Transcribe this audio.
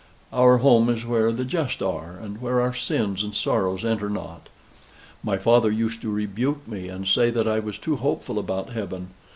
"Our home is where the just are, and where our sins and sorrows enter not. My father used to rebuke me, and say that I was too hopeful about heaven.